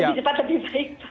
lebih cepat lebih baik